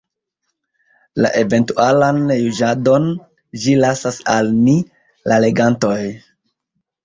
La eventualan juĝadon ĝi lasas al ni, la legantoj.